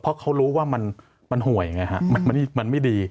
เพราะเขารู้ว่ามันหวยไงฮะมันไม่ดี